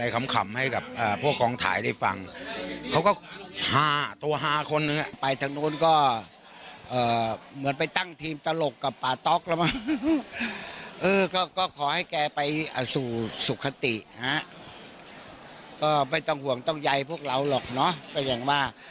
ก็ไม่ต้องห่วงต้องใยพวกเราหรอกเนาะก็อย่างว่า